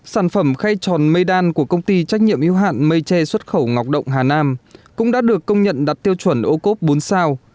sản phẩm khay tròn mây đan của công ty trách nhiệm yêu hạn mây tre xuất khẩu ngọc động hà nam cũng đã được công nhận đạt tiêu chuẩn ô cốp bốn sao